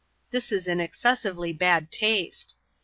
This is in excessively bad taste.